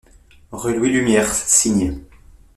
Rue Louis Lumiére, Signes